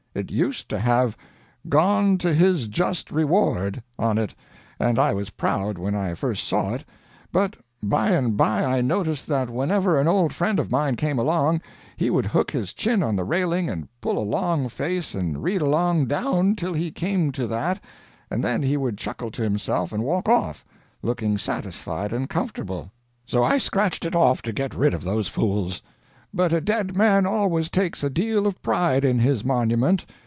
It used to have 'GONE TO HIS JUST REWARD' on it, and I was proud when I first saw it, but by and by I noticed that whenever an old friend of mine came along he would hook his chin on the railing and pull a long face and read along down till he came to that, and then he would chuckle to himself and walk off, looking satisfied and comfortable. So I scratched it off to get rid of those fools. But a dead man always takes a deal of pride in his monument.